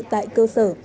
tại cơ sở